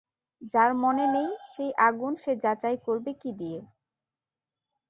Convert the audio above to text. যার মনে নেই সেই আগুন সে যাচাই করবে কী দিয়ে।